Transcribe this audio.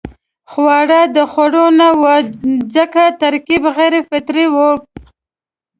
خواړه د خوړو نه وو ځکه ترکیب غیر فطري وو.